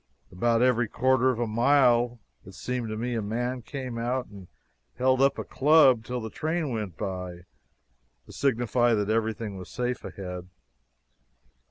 About every quarter of a mile, it seemed to me, a man came out and held up a club till the train went by, to signify that everything was safe ahead.